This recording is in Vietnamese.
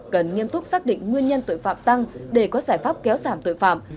cần nghiêm túc xác định nguyên nhân tội phạm tăng để có giải pháp kéo giảm tội phạm